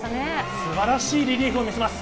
素晴らしいリリーフを見せました。